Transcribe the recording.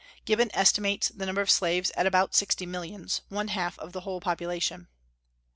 Gibbon estimates the number of slaves at about sixty millions, one half of the whole population.